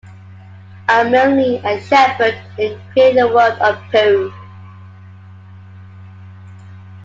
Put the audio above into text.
A. Milne and Shepard in creating the world of Pooh.